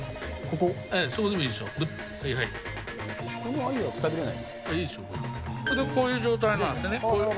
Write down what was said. これでこういう状態なんですね。